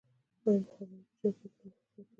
آیا مخابراتي شرکتونه انحصار کوي؟